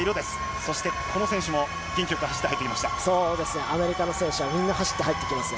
そしてこの選手も、元気よく走って入ってきました。